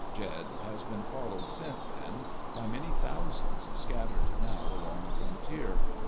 Jed has been followed since then by many thou sands, scattered now along the frontier.